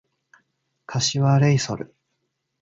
柏レイソル